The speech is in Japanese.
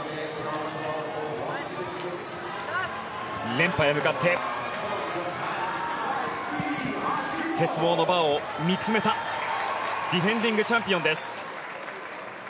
連覇へ向かって鉄棒のバーを見つめたディフェンディングチャンピオンです。